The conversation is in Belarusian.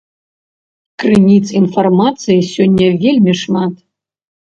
Крыніц інфармацыі сёння вельмі шмат.